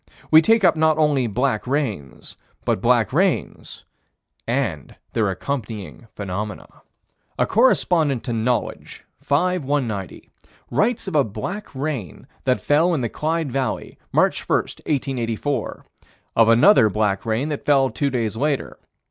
We take up not only black rains but black rains and their accompanying phenomena. A correspondent to Knowledge, 5 190, writes of a black rain that fell in the Clyde Valley, March 1, 1884: of another black rain that fell two days later.